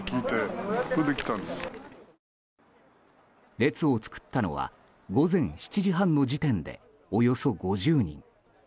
列を作ったのは午前７時半の時点でおよそ５０人。